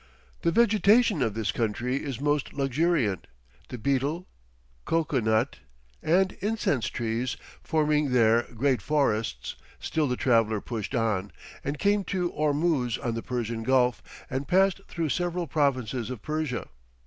The vegetation of this country is most luxuriant, the betel, cocoa nut, and incense trees forming there great forests; still the traveller pushed on, and came to Ormuz on the Persian Gulf, and passed through several provinces of Persia.